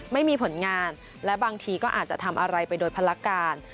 ไม่มีผลงานและบางทีก็อาจจะทำอะไรไปโดยภารการ